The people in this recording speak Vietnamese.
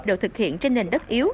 đều thực hiện trên nền đất yếu